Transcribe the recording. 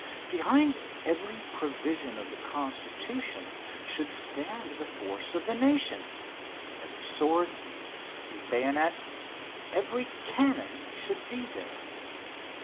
Behind every provision of the Constitution should stand the force of the nation. Every sword, every bayonet, every cannon should be there.